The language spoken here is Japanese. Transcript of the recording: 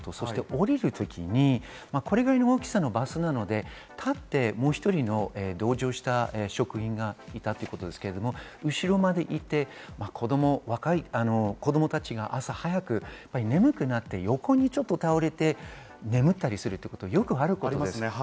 降りるときに、これぐらいの大きさのバスなので、立ってもう１人の同乗した職員がいたということですが、後ろまで行って子供、若い子供たちが朝早くて眠くなって横に倒れて眠ったりすることはよくあることです。